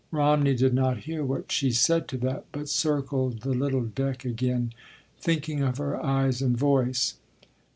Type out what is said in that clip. Romney did not hear what she said to that, but circled the little deck again, thinking of her eyes and voice.